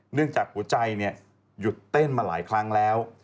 จากหัวใจหยุดเต้นมาหลายครั้งแล้ว